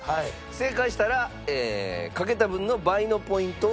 正解したらかけた分の倍のポイントを獲得できます。